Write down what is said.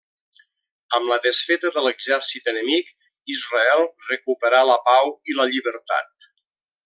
Amb la desfeta de l'exèrcit enemic, Israel recuperà la pau i la llibertat.